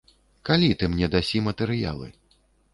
Калі ты мне дасі матэрыялы?